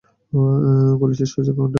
গলি শেষ হয়েছে গঙ্গার ঘাটে!